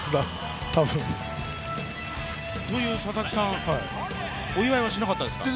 佐々木さん、お祝いはしなかったんですか。